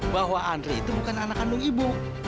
bahwa andri itu bukan anak kandung ibu